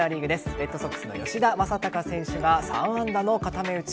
レッドソックスの吉田正尚選手が３安打の固め打ち。